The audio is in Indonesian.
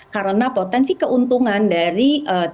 karena potensi keuntungan dari